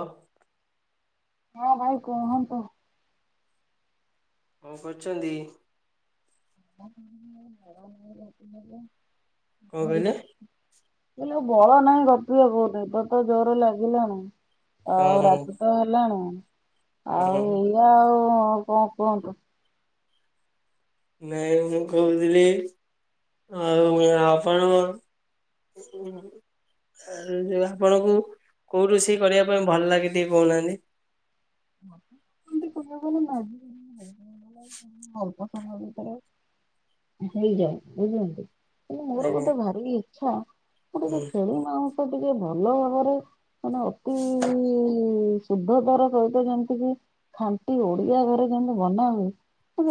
ହଁ। ହଁ ଭାଇ କୁହନ୍ତୁ। ହଁ କରଛନ୍ତି। କଣ କହିଲେ? [unintelligible] ହେଲେ ଆ ବଳ ନାହିଁ ଗପିବା କୋଉନି ତୋତ ଜୋର ଲାଗିଲାଣି। ହଁ ଆଉ ରାତି ହଁ ତ ହେଲାଣି ଆଉ ହଁ। ଏଇଆ ଆଉ କଣ କୁହନ୍ତୁ। ନାଇଁ ମୁଁ କହୁଥିଲି ଆଉ ଆପଣ। ଯଉ ଆପଣଙ୍କୁ କୋଉ ରୋଷେଇ କରିବା ପାଇଁ ଭଲ ଲାଗେ ଟିକେ କହୁନାହାନ୍ତି। [unintelligible] ଅଳ୍ପ ସମୟ ଭିତରେ ହେଇଯାଉ ବୁଝନ୍ତୁ। ମୋର ଆଜ୍ଞା ଗୋଟେ ଭାରି ଇଚ୍ଛା ହୁଁ ଗୋଟେ ଛେଳି ମାଉ ମତେ ଟିକେ ଭଲ ଭାବରେ ମାନେ ଅ [inaudible] ହୁଁ ଶୁଦ୍ଧ ଦର କହିଲେ ଯେମିତି କି ଖାଟି ଓଡିଆ ଘରେ ଯେମତି ବନା ହୁଏ।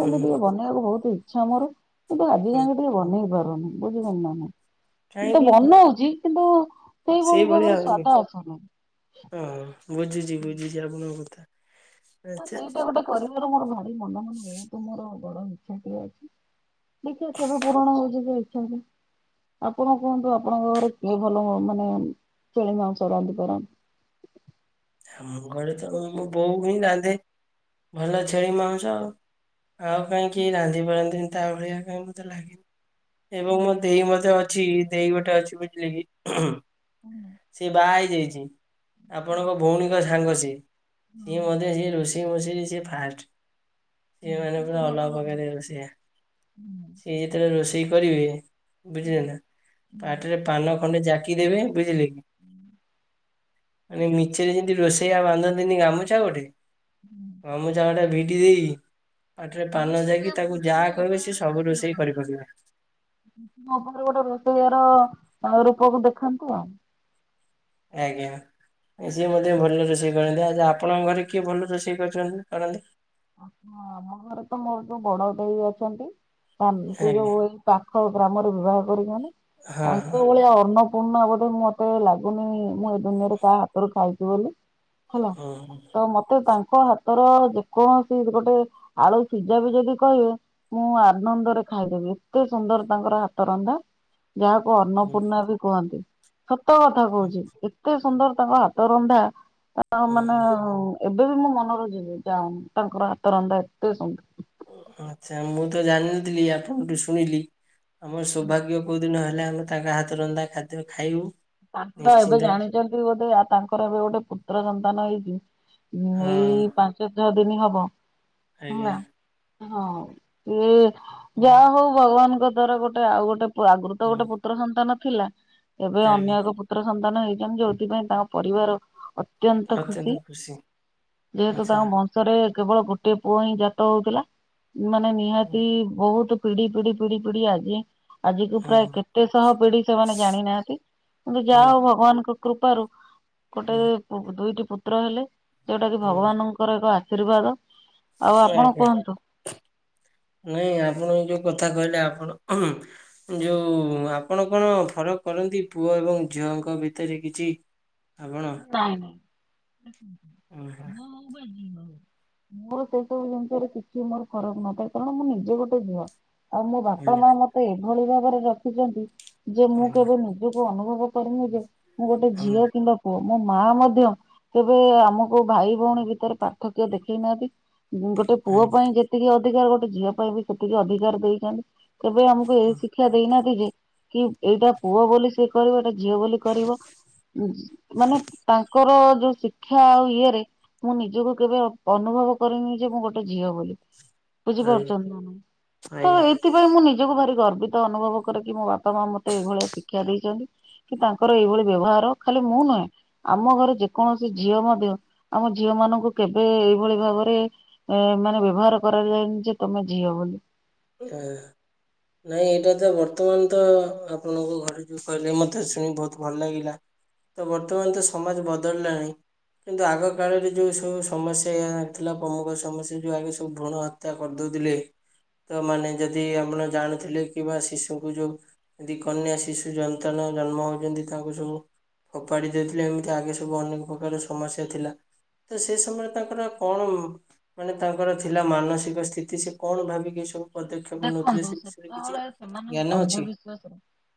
ହୁଁ ଟିକେ ବନେଇବାକୁ ବହୁତ ଇଚ୍ଛା ମୋର କିନ୍ତୁ ଆଜି ହୁଁ ଯାଙ୍କେ ଟିକେ ବନେଇ ପାରୁନି। ବୁଝିପାରିଲେ ନାଁ ନାହିଁ କିନ୍ତୁ କାହିଁକି ବନଉଛି କିନ୍ତୁ ସେଇଭଳି ଭାବରେ ସ୍ଵାଦ ଆସୁନି। ଓୋ ବୁଝୁଛି ବୁଝୁଛି ଆପଣଙ୍କ କଥା। ଆଚ୍ଛା ସେଇଟା ଗୋଟେ କରିବାର ମୋର ଭାରି ମନ ମନ ବହୁତ ମୋର ବଡ ଇଚ୍ଛାଟିଏ। ଦେଖିବା କେବେ ପୁରଣ ହଉଛି ସେ ଇଛା ଆପଣ କୁହନ୍ତୁ ଆପଣଙ୍କ ଘରେ କିଏ ଭଲ ମାନେ ଛେଳି ମାଂସ ରାନ୍ଧି ପାରନ୍ତି। ଘରେ ତ ମୋ ବୋଉ ହିଁ ରାନ୍ଧେ ଭଲ ଛେଳି ମାଂସ ଆଉ। ଆଉ କାହିଁ କେହି ରାନ୍ଧି ପାରନ୍ତିନି ତା ଭଳିଆ କାଇଁ ମତେ ଲାଗେନି। ଏବଂ ମୋ ଦେଇ ମତେ ଅଛି ଦେଇ ଗୋଟେ ଅଛି ବୁଝିଲେକି। ସିଏ ବାହା ହେଇଯାଇଛି ଆପଣଙ୍କ ଭଉଣୀଙ୍କ ସାଙ୍ଗ ସିଏ ସିଏ ମଧ୍ୟ ସିଏ ରୋଷେଇ ମୋଷେଇ ସିଏ ଫାଷ୍ଟ। ସିଏ ମାନେ ବହୁତ ପୁରା ଭଲ ଅଲଗା ପ୍ରକାରିଆ ରୋଷେୟା ସିଏ ଯେତେବେଳେ ରୋଷେଇ କରିବେ ବୁଝିଲେ ନା ପାଟିରେ ପାନ ଖଣ୍ଡେ ଜାକି ଦେବେ ବୁଝିଲେ କି ମାନେ ମିଛରେ ଯେମିତି ରୋଷେଇଆ ବାନ୍ଧନ୍ତିନି ଗାମୁଛା ଗୋଟେ। ଗାମୁଛା ଗୋଟେ ଭିଡି ଦେଇ ପାଟିରେ ତାମାନେ ପାନ ସେ ଯାକି ତାକୁ କୃତ୍ରିମ ଯାହା କହିବେ ସେ ସବୁ ରୋଷେଇ କରିପକେଇବେ। ମୋ ପାଖରେ ଗୋଟେ ରୋଷେଇଆାର ରୂପକୁ ଦେଖାନ୍ତୁ ଆଉ ଆଜ୍ଞା। ସିଏ ମଧ୍ୟ ଭଲ ରୋଷେଇ କରନ୍ତି ଆଚ୍ଛା ଆପଣଙ୍କ ଘରେ କିଏ ଭଲ ରୋଷେଇ କରୁଛନ୍ତି କରନ୍ତି। ଆମ ଘରେ ତ ମୋର ଯୋଉ ବଡ ଦେଇ ଅଛନ୍ତି ସେ ଆଜ୍ଞା ଯୋଉ ପାଖ ଗ୍ରାମରେ ବିବାହ କରିଛନ୍ତି ହଁ ତାଙ୍କ ସେ ଭଳିଆ ଅନ୍ନପୂର୍ଣ୍ଣା ବୋଧେ ମତେ ଲାଗୁନି ମୁଁ ଏ ଦୁନିଆରେ କାହା ହାତରୁ ଖାଇଛି ବୋଲି। ହେଲା ହଁ ତ ମତେ ତାଙ୍କ ହାତର ଯେକୌଣସି ଗୋଟେ ଆଳୁ ସିଝା ବି ଯଦି କହିବେ। ମୁଁ ଆନନ୍ଦରେ ଖାଇଦେବି ଏତେ ସୁନ୍ଦର ତାଙ୍କର ହାତ ରନ୍ଧା। ଯାହାକୁ ହଁ ଅନ୍ନପୂର୍ଣ୍ଣା ବି କୁହନ୍ତି ସତ କଥା ହଁ କହୁଛି। ଏତେ ସୁନ୍ଦର ତାଙ୍କ ହାତ ରନ୍ଧା ତା ହଁ ମାନେ ହଁ ଏବେ ବି ମୋ ମନରୁ ଯି ଯାଉନି। ତାଙ୍କର ହାତରନ୍ଧା ଏତେ ସୁନ୍ଦର। ଆଚ୍ଛା ମୁଁ ତ ଜାଣିନଥିଲି ଆପଣଙ୍କଠୁ ଶୁଣିଲି ଆମର ସୋଭାଗ୍ୟ କୋଉ ଦିନ ହେଲେ ଆମେ ତାଙ୍କ ହାତରନ୍ଧା ଖାଦ୍ୟ ଖାଇବୁ। ଏବେ ନିଶ୍ଚିନ୍ତ। ଜାଣିଛନ୍ତି ବୋଧେ ତାଙ୍କର ଏବେ ଗୋଟେ ପୁତ୍ର ସନ୍ତାନ ହେଇଛି। ହଁ ଏଇ ପାଞ୍ଚ ଛଅ ଦିନ ହବ ଆଜ୍ଞା ହେଲା। ହଁ ସେ ହଁ ଯାହା ହଉ ଭଗବାନଙ୍କ ଦ୍ଵାରା ଗୋଟେ ଆଉ ଗୋଟେ ଆଗରୁ ତ ହଁ ଗୋଟେ ପୁତ୍ର ସନ୍ତାନ ଥିଲା ଏବେ ଅନ୍ୟ ଆଜ୍ଞା ଏ ପୁତ୍ର ସନ୍ତାନ ହେଇଛନ୍ତି ଯୋଉଥିପାଇଁ ତାଙ୍କ ପରିବାର ଅତ୍ୟନ୍ତ ଖୁସି ଯେହେତୁ ଆଚ୍ଛା ତାଙ୍କ ବ ଥରେ କେବଳ ଗୋଟେ ପୁଅ ହିଁ ଜାତ ହଉଥିଲା ମାନେ ହଁ ନିହାତି ବହୁତ ପିଢି ପିଢି -ପିଢି - ପିଢ଼ି ଆଜି ଆଜିକୁ ପ୍ରାୟ ହଁ କେତେ ଶହ ପିଢି ସେମାନେ ଜାଣି ନାହାନ୍ତି। କିନ୍ତୁ ଯାହା ହେଉ ଭଗବାନଙ୍କ କୃପାରୁ ଗୋଟେ ହଁ। ଦୁଇଟି ପୁତ୍ର ହେଲେ। ଯୋଉଟା କି ଭଗବାନଙ୍କର ଏକ ଆଶୀର୍ବାଦ। ଆଉ ସିଏ ଆପଣ ଆଜ୍ଞା। କୁହନ୍ତୁ? ନାଇଁ ଆପଣ ଏଇ ଯୋଉ କଥା କହିଲେ ଆପଣ ଯୋଉ ଆପଣ କଣ ଫରକ କରନ୍ତି ପୁଅ ଏବଂ ଝିଅଙ୍କ ଭିତରେ କିଛି? ଆପଣ ନାଇଁ ଆଜ୍ଞା ନାଇଁ। ମୋର ସେ ସବୁ ଜିନିଷରେ କିଛି ମୋର ଫରକ ନଥାଏ କାରଣ ମୁଁ ନିଜେ ଗୋଟେ ଝିଅ। ଆଉ ମୋ ବାପା ଆଜ୍ଞା ମା ମତେ ଏଭଳି ଭାବରେ ରଖିଛନ୍ତି ଯେ ମୁଁ ହଁ କେବେ ନିଜକୁ ଅନୁଭବ କରିନି ଯେ ମୁଁ ଗୋଟେ ହଁ ଝିଅ କିମ୍ବା ପୁଅ। ମୋ ମା ମଧ୍ୟ କେବେ ଆମକୁ ଭାଇ ଭଉଣୀ ଭିତରେ ପାର୍ଥକ୍ୟ ଦେଖେଇ ନାହାନ୍ତି। ଗୋଟେ ପୁଅ ଆଜ୍ଞା ପାଇଁ ଯେତିକି ଅଧିକାର ଗୋଟେ ଝିଅ ପାଇଁ ବି ସେତିକି ଅଧିକାର ଦେଇଛନ୍ତି। କେବେ ଆମକୁ ଏଇ ହଁ ଶିକ୍ଷା ଦେଇନାହାନ୍ତି ଯେ କି ଏଇଟା ପୁଅ ବୋଲି ସେ କରିବ ଏଇଟା ଝିଅ ବୋଲି କରିବ, ମାନେ ତାଙ୍କ ଓ ଯୋଉ ଶିକ୍ଷା ଆଉ ଇଏରେ ମୁଁ ନିଜକୁ କେବେ ଅନୁଭବ କରିନି ଯେ ମୁଁ ଗୋଟେ ଝିଅ ବୋଲି। ଆଜ୍ଞା ବୁଝିପାରୁଛନ୍ତି ତ ଏଇ ଆଜ୍ଞା। ସେଥିପାଇଁ ମୁଁ ନିଜକୁ ଭାରି ଗର୍ବିତ ଅନୁଭବ କରେ କି ମୋ ବାପା ମା ମତେ ଏଇଭଳିଆ ଶିକ୍ଷା ଦେଇଛନ୍ତି। କି ତାଙ୍କର ଏଇଭଳି ବ୍ୟବହାର ଖାଲି ମୁଁ ନୁହେଁ। ଆମ ଘରେ ଯେକୌଣସି ଝିଅ ମଧ୍ୟ ଆମ ଝିଅ ମାନଙ୍କୁ କେବେ ଏଇଭଳି ଭାବରେ ଏ ମାନେ ବ୍ୟବହାର କରାଯାଏନି ଯେ ତମେ ଝିଅ ବୋଲି। [unintelligible] ନାଇଁ ଏଇଟା ତ ବର୍ତ୍ତମାନ ତ ଆପଣଙ୍କୁ ଘରେ ଯୋଉ କହିଲେ ମତେ ଶୁଣି ବହୁତ ଭଲ ଲାଗିଲା। ତ ବର୍ତ୍ତମାନ ତ ସମାଜ ବଦଳିଲାଣି। କିନ୍ତୁ ଆଗ କାଳରେ ଯୋଉ ସବୁ ସମସ୍ୟା ଥିଲା, ପ୍ରମୁଖ ସମସ୍ୟା ଯୋଉ ଆଗେ ସବୁ ଭୃଣ ହତ୍ୟା କରିଦେଉଥିଲେ। ତ ମାନେ ଯଦି ଆପଣ ଜାଣୁଥିଲେ କିମ୍ବା ଶିଶୁଙ୍କୁ ଯୋଉ ଯଦି କନ୍ୟା ଶିଶୁ ସନ୍ତାନ ଜନ୍ମ ହଉଛନ୍ତି ତାଙ୍କୁ ସବୁ ଫୋପାଡ଼ି ଦେଉଥିଲେ। ଏମିତି ଆଗେ ସବୁ ଅନେକ ପ୍ରକାର ସମସ୍ୟା ଥିଲା। ତ ସେ ସମୟରେ ତାଙ୍କର କଣ ମାନେ ତାଙ୍କର ଥିଲା ମାନସିକ ସ୍ଥିତି ସେ କଣ ଭାବିକି ଏ ସ [inaudible] ଦେଖନ୍ତୁ ସେତେବେଳେ ସେମାନେ ଜ୍ଞାନ ଅଛି ଅନ୍ଧବିଶ୍ଵାସରେ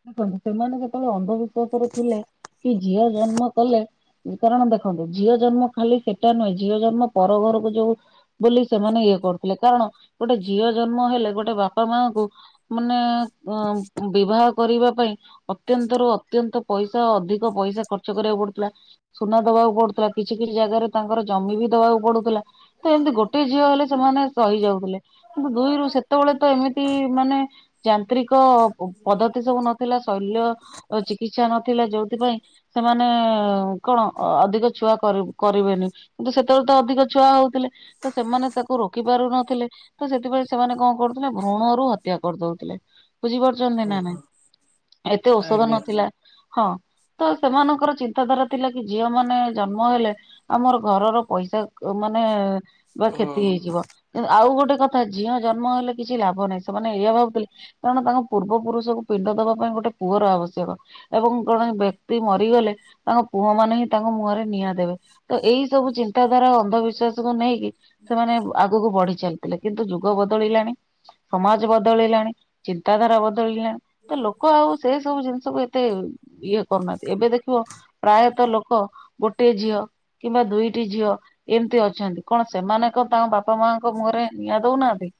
ଦେଖନ୍ତୁ ସେମାନେ ଯେତେବେଳେ ଅନ୍ଧବିଶ୍ଵାସରେ ଥିଲେ କି ଝିଅ ଜନ୍ମ କଲେ। କାରଣ ଦେଖନ୍ତୁ ଝିଅ ଜନ୍ମ ଖାଲି ସେଟା ନୁହେଁ ଝିଅ ଜନ୍ମ ପର ଘରକୁ ଯୋଉ ବୋଲି ସେମାନେ ଇଏ କରୁଥିଲେ। କାରଣ ଗୋଟେ ଝିଅ ଜନ୍ମ ହେଲେ ଗୋ ଗୋଟେ ବାପା ମା ଙ୍କୁ ମାନେ ବିବାହ କରିବା ପାଇଁ ଅତ୍ୟନ୍ତ ରୁ ଅତ୍ୟନ୍ତ ପଇସା ଅଧିକ ପଇସା ଖର୍ଚ୍ଚ କରିବାକୁ ପଡୁଥିଲା। ସୁନା ଦବାକୁ ପଡୁଥିଲା, କିଛି କିଛି ଜାଗାରେ ତାଙ୍କର ଜମି ବି ଦବାକୁ ପଡୁଥିଲା। ତ ଏମିତି ଗୋଟେ ଝିଅ ହେଲେ ସେମାନେ ସହି ଯାଉଥିଲେ କିନ୍ତୁ ଦୁଇରୁ ସେତେବେଳେ ତ ଏମିତି ମାନେ ଯାନ୍ତ୍ରିକ ପଦ୍ଧତି ସବୁ ନଥିଲା ଶୈଲ୍ୟ ଚିକିତ୍ସା ନଥିଲା ଯୋଉଥିପାଇଁ ସେମାନେ କଣ ଅଧିକ ଛୁଆ କରିବେନି କିନ୍ତୁ ସେତେବେଳେ ତ ଅଧିକ ଛୁଆ ହଉଥିଲେ ତ ସେମାନେ ତାକୁ ରୋକି ପାରୁନଥିଲେ ତ ସେଥିପାଇଁ ସେମାନେ କଣ କରୁଥିଲେ ଭ୍ରଣ ରରୁ ହତ୍ୟା କରିଦଉଥିଲେ ବୁଝିପାରୁ ଛନ୍ତି ହୁଁ ନା ନାଇଁ? ହୁଁ ଏତେ ଔଷଧ ଆଜ୍ଞା ନଥିଲା ହଁ। ତ ସେମାନଙ୍କର ଚିନ୍ତାଧାରା ଥିଲା କି ଝିଅ ମାନେ ଜନ୍ମ ହେଲେ ଆମର ଘରର ପଇସା ମାନେ ବା ହୁଁ କ୍ଷତି ହେଇଯିବ, ଆଉ ଗୋଟେ କଥା ଝିଅ ଜନ୍ମ ହେଲେ କିଛି ଲାଭ ନାହିଁ। ସେମାନେ ଏଇଆ ଭାବୁଥିଲେ କାରଣ ତାଙ୍କ ପୂର୍ବ ପୁରୁଷକୁ ପିଣ୍ଡ ଦେବା ପାଇଁ ଗୋଟେ ପୁଅର ଆବଶ୍ୟକ ଏବଂ ଜଣେ ବ୍ୟକ୍ତି ମରିଗଲେ ତାଙ୍କ ପୁଅ ମାନେ ହିଁ ତାଙ୍କ ମୁହରେ ନିଆଁ ଦେବେ। ତ ଏଇ ସବୁ ଚିନ୍ତାଧାରା ଅନ୍ଧବିଶ୍ୱାସ ବିଶ୍ଵାସ କୁ ନେଇକି ସେମାନେ ଆଗକୁ ବଢି ଚାଲିଥିଲେ କିନ୍ତୁ ଯୁଗ ବଦଳିଲାଣି ସମାଜ ବଦଳଲାଣି, ଚିନ୍ତାଧାରା ବଦଳିଲାଣି, ତ ଲୋକ ଆଉ ସେ ସବୁ ଜିନିଷକୁ ଏତେ ଇଏ କରୁନାହାନ୍ତି ଏବେ ଦେଖିବ ପ୍ରାୟତଃ ଲୋକ ଗୋଟେ ଝିଅ କିମ୍ବା ଦୁଇଟି ଝିଅ ଏମିତି ଅଛି ଛନ୍ତି କଣ ସେମାନେ କଣ ତାଙ୍କ ବାପା ମାଙ୍କ ମୁହଁରେ ନିଆଁ ଦଉନାହାନ୍ତି?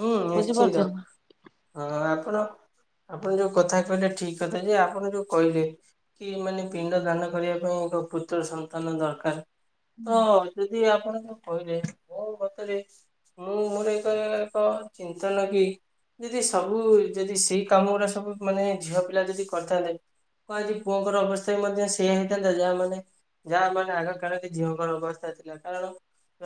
ହୁଁ ନିଶ୍ଚିନ୍ତ ବୁଝିପାରୁଛନ୍ତି। ହ ଆପଣ ଆପଣ ଯୋଉ କଥା କହିଲେ ଠିକ କଥା ଯେ ଆପଣ ଯୋଉ କହିଲେ କି ମାନେ ପିଣ୍ଡ ଦାନ କରିବା ପାଇଁ ଏକ ପୁତ୍ର ସନ୍ତାନ ଦରକାର। ତ ଯଦି ଆପଣ କଣ କହିଲେ ମୁ କତରେ ହଁ ମୋର ଏକ ଏକ ଚିନ୍ତନ କି ଯଦି ସବୁ ଯଦି ସେଇ କାମ ଗୁଡା ସବୁ ମାନେ ଝିଅ ପିଲା ଯଦି କରିଥାନ୍ତେ କରି ପୁଅଙ୍କର ଅବସ୍ଥା ମଧ୍ୟ ସେଇଆ ହେଇଥାନ୍ତା ଯାହା ମାନେ ଯାହା ମାନେ ଆଗ କାଳକ ଝିଅ ମନଙ୍କର ଅବସ୍ଥା ଥିଲା କାରଣ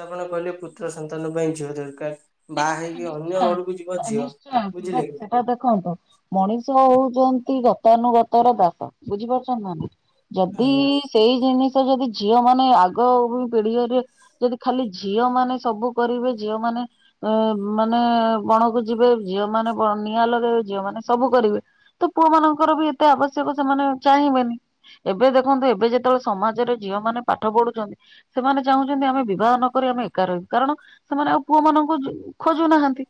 ଆପଣ କହିଲେ ପୁତ୍ର ସନ୍ତାନ ପାଇଁ ଝିଅ ଦରକାର। ବାହା ନିଶ୍ଚୟ ହେଇକି ଅନ୍ୟ ଘରକୁ ଯିବ ନିଶ୍ଚୟ ଝିଅ ନିଶ୍ଚୟ ସେଟା ବୁଝିଲେ କି ସେଟା ଦେଖନ୍ତୁ। ମଣିଷ ହଉଛନ୍ତି ଗତାନୁଗତ ର ଦାସ ବୁଝିପାରୁଛନ୍ତି ନା ନାଇଁ ଯଦି ଆଜ୍ଞା ସେଇ ଜିନିଷ ଯଦି ଝିଅ ମାନେ ଆଗ ପିଢଡିରେ ଯଦି ଖାଲି ଝିଅ ମାନ ସବୁ କରିବେ ଝିଅ ମାନେ ଏ ମାନେ ବଣକୁ ଯିବେ ଝିଅ ମାନେ ନିଆଁ ଲଗାଇବେ ଝିଅ ମାନେ ସବୁ କରିବେ ତ ପୁଅ ମାନଙ୍କର ବି ଏତେ ଆବଶ୍ୟକ ସେମାନେ ଚାହିଁବେନି। ଏବେ ଦେଖନ୍ତୁ ଏବେ ଯେତେବେଳେ ସମାଜରେ ଝିଅ ମାନେ ପାଠ ପଢୁଛନ୍ତି ସେମାନେ ଚାହୁଁଛନ୍ତି ଆମେ ବିବାହ ନକରି ଆମେ ଏକା ରହୁ କାରଣ ସେମାନେ ଆଉ ପୁଅ ମାନଙ୍କୁ ଖୋଜୁନାହାନ୍ତି,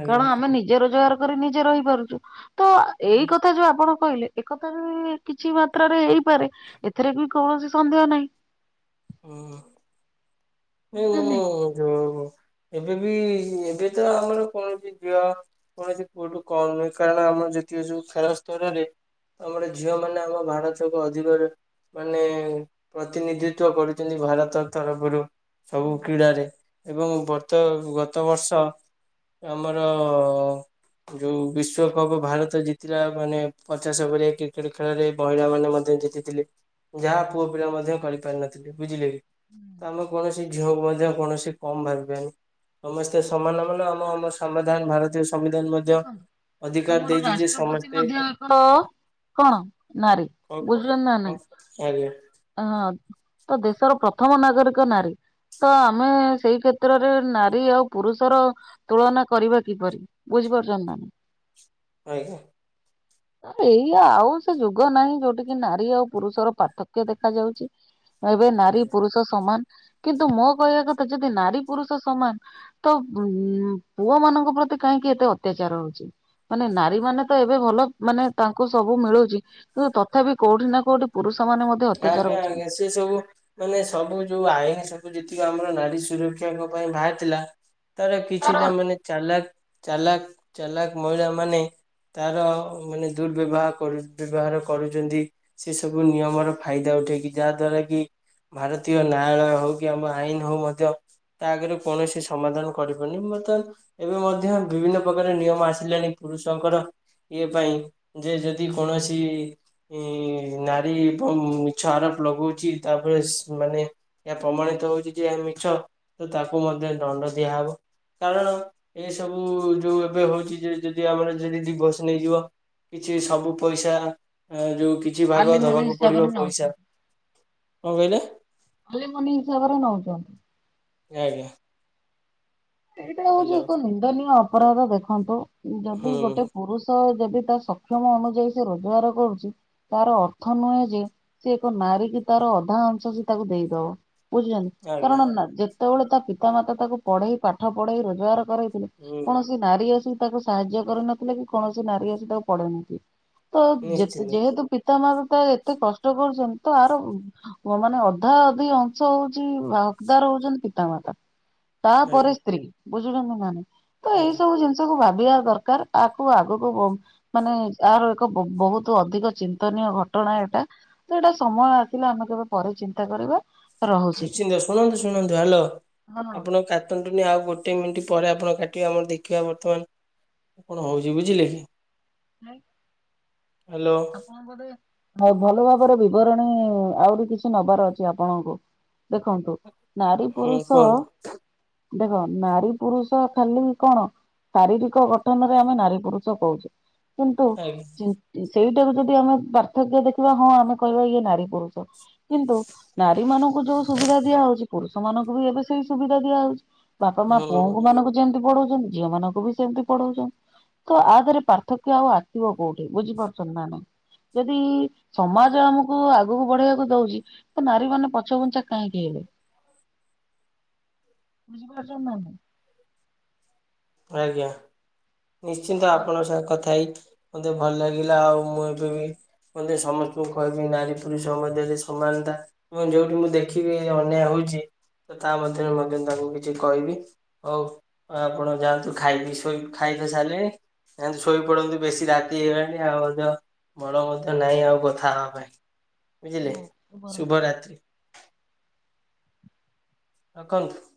ଆଜ୍ଞା କାରଣ ଆମେ ନିଜେ ରୋଜଗାର କରି ନିଜେ ରହିପାରୁଛୁ। ହଁ ଏଇ କଥା ଯୋଉ ଆପଣ କହିଲେ ଏକଥାରେ କିଛି ମାତ୍ରାରେ ହେଇପାରେ ଏଥିରେ ବି କୌଣସି ସନ୍ଦେହ ନାହିଁ। [inaudible] ଏ ମୁଁ ଏବେ ବି ଏବେ ତ ଆମର କୌଣଛି ଝିଅ କୌଣସି ପୁଅଠୁ କମ୍ ନୁହେଁ କାରଣ ଆମର ଯୋତୀୟ ଯୋଉ ଖେଳ ସ୍ତରରେ ଆମର ଝିଅମାନେ ଆମ ଭାରତକୁ ଅଧିକରେ ମାନେ ପ୍ରତିନିଧିତ୍ବ କରୁଚନ୍ତି ଭାରତ ତରଫରୁ। ସବୁ କ୍ରୀଡାରେ ଏବଂ ବର୍ତ ଗତ ବର୍ଷ ଆମର ଯୋଉ ବିଶ୍ଵକପ ଭାରତ ଜିତିଲା ମାନେ ପଚାଶେ ପୁରେଇ କ୍ରିକେଟ ଖେଳରେ ମହିଳାମାନେ ମଧ୍ୟ ଜି ତିଲେ ଯାହା ପୁଅପିଲା ମଧ୍ୟ କରିପାରିିନଥିଲେ ବୁଝିଲେ ତ ଆମେ କୌଣସି ସବୁବେଳେ ଯେ ଆପଣ ସେ କୌଣସି କମ ଭାବିବେନି ସମସ୍ତେ ସମାନ ଆମର ନା ଆମ ଆମ ସମ୍ବିଧାନ ଭାରତୀୟ। ସମ୍ବିଧାନ ମଧ୍ୟ ଦେଖନ୍ତୁ, ଅଧିକାର ଆମର ଦେଇଛି ଯେ ରାଷ୍ଟ୍ରପତି ସମସ୍ତେ ମଧ୍ୟ ଏକ କଣ ନାରୀ ଆଜ୍ଞା ବୁଝିଲ ନା ନାଇଁ, ଆଜ୍ଞା ହଁ। ତ ଦେଶର ପ୍ରଥମ ନାଗରିକ ନାରୀ। ତ ଆମେ ସେଇ କ୍ଷେତ୍ରରେ ନାରୀ ଆଉ ପୁରୁଷର ତୁଳନା କରିବା କିପରି? ବୁଝିପାରୁଛନ୍ତି ନା ନାଇଁ? ଆଜ୍ଞା। [inaudible] ଏଇ ଆଉ ସେ ଯୁଗନାହିଁ ଯୋଉଠି କି ନାରୀ ଆଉ ପୁରୁଷର ପାର୍ଥକ୍ୟ ଦେଖାଯାଉଚି। ଏବେ ନାରୀ, ପୁରୁଷ ସମାନ। କିନ୍ତୁ ମୋ କହିବା କଥା ଯଦି ନାରୀ, ପୁରୁଷ ସମାନ ତ ଉଁ ପୁଅମାନଙ୍କ ପ୍ରତି କାହିଁକି ଏତେ ଅତ୍ୟାଚାର ହଉଚି? ମାନେ ନାରୀମାନେ ତ ଏବେ ଭଲ। ମାନେ ତାଙ୍କୁ ସବୁ ମିଳୁଚି। କିନ୍ତୁ ତଥାପି କୋଉଠି ନା କୋଉଠି ପୁରୁଷମାନେ ଆଜ୍ଞା, ଆଜ୍ଞା। ସେ ସବୁ ମାନେ ସବୁ ଯୋଉ ଆଇନ ସବୁ ଯେତିକ ଆମର ନାରୀ ସୁରକ୍ଷାଙ୍କ ପାଇଁ ବାହାରିଥିଲା ସେତେବେଳ କିଛିଟା ମାନେ ଚାଲାକ- ଚାଲାକ- ଚାଲାକ ମହିଳାମାନେ ତାର ଅ ମାନେ ଦୁର୍ବ୍ୟବହାର କରୁ, ଦୁର୍ବ୍ୟବହାର କରୁଚନ୍ତି ସେ ସବୁ ନିୟମର। ଫାଇଦା ଉଠେଇକି। ଯାହାଦ୍ଵାରା କି ଭାରତୀୟ ନ୍ୟାୟାଳୟ ହଉ କି ଆମ ଆଇନ ହଉ ମଧ୍ୟ ତା ଆଗେରେ କୌଣସି ସମାଧାନ କରିବନି। ବର୍ତ୍ତମାନ ଏବେ ମଧ୍ୟ ବିଭିନ୍ନ ପ୍ରକାର ନିୟମ ଆସିଲାଣି ପୁରୁଷଙ୍କର। ଇଏପାଇଁ। ଯେ ଯଦି କୌଣସି ଇ ନାରୀ ଏବଂ ମିଛ ଆରୋପ ଲଗଉଚି। ତାପରେ ସେମାନେ ଏହା ପ୍ରମାଣିତ ହଉଚି ଯେ ଏହା ମିଛ। ତ ତାକୁ ମଧ୍ୟ ଦଣ୍ଡ ଦିଆହବ। କାରଣ ଏସବୁ ଯୋଉ ଏବେ ହଉଚି ଯେ ଯଦି ଆମର ଯଦି ଡିଭର୍ସ ନେଇଯିବ। କିଛି ସବୁପଇସା ଅ ଯୋଉକି ଦି ଭାଗ ଆଲିମନି ଦବାକୁ ପଡିବ ହିସାବରେ ପଇସା। ନଉଛନ୍ତି କଣ କହିଲେ? ଆଲିମନି ହିସାବରେ ନଉଚନ୍ତି। ଆଜ୍ଞା। ଏଇଟା ହଉଚି ହ୍ୟାଲୋ ଏକ ନିନ୍ଦନୀୟ ଅପରାଧ ଦେଖନ୍ତୁ, ଯଦି ହୁଁ ଗୋଟେ ପୁରୁଷ ଯଦି ତା ସକ୍ଷମ ଅନୁଯାୟୀ ସେ ରୋଜଗାର କରୁଚି ତାର ଅର୍ଥ ନୁହଁ ଯେ ସେ ଏକ ନାରୀକି ତାର ଅଧା ଅଂଶ ସେ ତାକୁ ଦେଇଦବ। ବୁଝୁଛନ୍ତି? ଆଜ୍ଞା କାରଣ ନା ଯେତବଳେ ତା ପିତାମାତା ତାକୁ ପଢେଇ ପାଠ ପଢେଇ ରୋଜଗାର କରେଇଥିଲେ ହୁଁ କୌଣସି ନାରୀ ଆସିିକି ତାକୁ ସାହାଯ୍ୟ କରିନଥିଲେ କି କୌଣସି ନାରୀ ଆସି ତାକୁ ପଢେଇନଥିଲେ। ତ ଯେତେ ନିଶ୍ଚିନ୍ତ ଯେହେତୁ ପିତାମାତା ତାର ଏତେ କଷ୍ଟ କରିସନ୍ତି ତ ଆର ହ ମାନେ ଅଧାଅଧି ଅଂଶ ହଉଚି ହକଦାର ହଉଚନ୍ତି ପିତାମାତା। ତାପରେ ଆଜ୍ଞା ସ୍ତ୍ରୀ। ବୁଝୁଛନ୍ତି ନା ନାଇଁ? ତ ଆଜ୍ଞା ଏଇସବୁ ଜିନ ଷକୁ ଭାବିବା ଦରକାର। ଆକୁ ଆଗୁକୁ ବ ମାନେ ଆର ଏକ ବ ବହୁତ ଅଧିକ ଚିନ୍ତନୀୟ ଘଟଣା ଏଟା। ତ ଏଟା ସମୟ ଆସିଲେ ଆମେ କେବେ ପରେ ଚିନ୍ତା କରିବା। ରହୁଛି। ନିଶ୍ଚିନ୍ତ। ଶୁଣନ୍ତୁ- ଶୁଣନ୍ତୁ, ହାଲୋ ହଁ। ଆପଣ କା ଟନ୍ତୁନି ଆଉ ଗୋଟେ ମିଣ୍ଟି ପରେ ଆପଣ କାଟିବେ। ଆମର ଦେଖିବା ବର୍ତ୍ତମାନ କଣ ହଉଚି, ବୁଝିଲେ କି? ହାଏ। ହ୍ୟାଲୋ ଆପଣ ବୋଧେ ଭ ଭଲ ଭାବରେ ବିବରଣୀ ଆହୁରି କିଛି ନବାର ଅଛି ଆପଣଙ୍କୁ। ଦେଖନ୍ତୁ ନାରୀ, ହୁଁ ପୁରୁଷ କୁହନ୍ତୁ ଦେଖ ନାରୀ, ପୁରୁଷ ଖାଲି କଣ ଶାରୀରିକ ଗଠନରେ ଆମେ ନାରୀ ପୁରୁଷ କହୁଚେ। କିନ୍ତୁ ଆଜ୍ଞା ଚିନ ସେଇଟାକୁ ଯଦି ଆମେ ପାର୍ଥକ୍ୟ ଦେଖିବା ହଁ ଆମେ କହିବା ଇଏ ନାରୀ ପୁରୁଷ। କିନ୍ତୁ ନାରୀ ମାନଙ୍କୁ ଯୋଉ ସୁବିଧା ଦିଆହଉଚି, ପୁରୁଷ ମାନଙ୍କୁ ବି ଏବେ ସେଇ ସୁବିଧା ଦିଆ ହଉଚି। ବାପା ମା ହୁଁ ପୁଅଙ୍କୁ ମାନଙ୍କୁ ଯେମିତି ପଢଉଚନ୍ତି, ଝିଅ ମାନଙ୍କୁ ବି ସେମିତି ପଢଉଚନ୍ତି। ତ ଆଦେହରେ ପାର୍ଥକ୍ୟ ଆଉ ଆସିବ କୋଉଠି! ବୁଝିପାରୁଚନ୍ତି ନା ନାଇଁ! ଯଦି ସମାଜ ଆମକୁ ଆଗକୁ ବଢେଇବାକୁ ଦଉଚି! ତ ନାରୀ ମାନେ ପଛ ଗୁଞ୍ଚା କାହିଁକି ହେବେ। ବୁଝିପାରୁଚ ନାହାନ୍ତି! ପ୍ରଜ୍ଞା। ନିଶ୍ଚିନ୍ତ ଆପଣଙ୍କ ସାଙ୍ଗେ କଥାହେଇ ମତେ ଭଲ ଲାଗିଲା! ଆଉ ମୁଁ ଏବେବି ମୁଁ ସମସ୍ତଙ୍କୁ କହିଦେବି ନାରୀ ପୁରୁଷ ମଧ୍ୟରେ ସମାନତା ମୁଁ ଯୋଉଠି ମୁଁ ଦେଖିବି ଅନ୍ୟାୟ ହଉଚି ଓ ତା ମଧ୍ୟରେ ମଧ୍ୟ ତାଙ୍କୁ କିଚି କଇବି, ହଉ ଆପଣ ଯାଆନ୍ତୁ ଖାଇକି ଶୋଇ ଖାଇତ ସାରିଲେଣି। ଯାଆନ୍ତୁ ଶୋଇ ପଡନ୍ତୁ ବେଶୀ ରାତି ହେଇଗଲାଣି, ଆଉ ମଧ୍ୟ ବଳ ମତ ନାହିଁ ଆଉ କଥା ହବା ପାଇଁ। ବୁଝିଲେ ଶୁଭ ରାତ୍ରି। ରଖନ୍ତୁ।